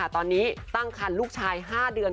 ตอนนี้ตั้งคันลูกชาย๕เดือน